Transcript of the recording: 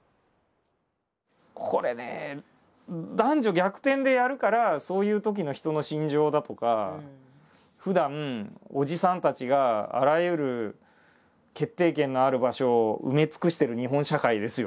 これね男女逆転でやるからそういうときの人の心情だとかふだんおじさんたちがあらゆる決定権のある場所を埋め尽くしてる日本社会ですよ